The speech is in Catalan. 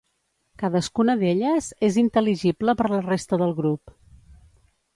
Cadascuna d'elles és intel·ligible per la resta del grup.